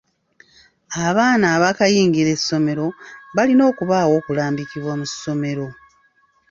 Abaana abaakayingira essomero balina okubaawo okulambikibwa mu ssomero.